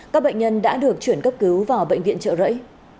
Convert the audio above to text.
các bệnh nhân đã được chuyển cấp cứu vào bệnh viện trợ rẫy